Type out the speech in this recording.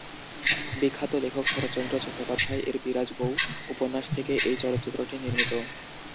বিখ্যাত লেখক শরৎচন্দ্র চট্টোপাধ্যায় এর বিরাজ বৌ উপন্যাস থেকে এই চলচ্চিত্রটি নির্মিত।